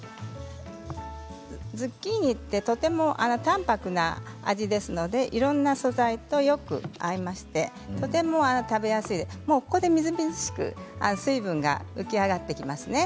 ズッキーニってとても淡泊な味ですのでいろんな素材とよく合いましてとても食べやすいここでみずみずしく水分が浮き上がってきますね。